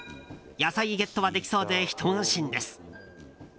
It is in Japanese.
野菜ゲットはできそうで一安心です。